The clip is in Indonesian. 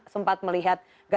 sempat melihat gerak gerakan mereka